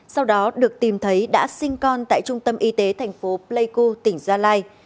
sau đó được tìm thấy đã sinh con tại trung tâm y tế thành phố pleiku tỉnh gia lai